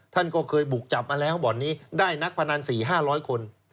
ท่านก็เคยบุกจับมาแล้วบ่อนนี้ได้นักพนัน๔๕๐๐คน